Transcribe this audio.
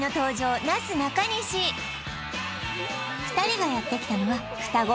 ２人がやってきたのはふたご